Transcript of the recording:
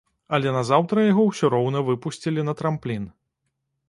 Але назаўтра яго ўсё роўна выпусцілі на трамплін.